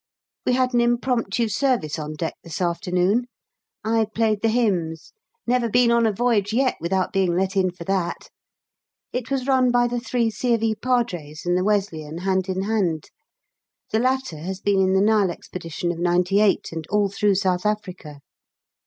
We had an impromptu service on deck this afternoon; I played the hymns, never been on a voyage yet without being let in for that. It was run by the three C. of E. Padres and the Wesleyan hand in hand: the latter has been in the Nile Expedition of '98 and all through South Africa.